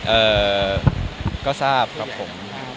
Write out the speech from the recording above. เอ่อก็ทราบครับผม